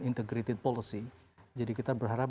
integrated policy jadi kita berharap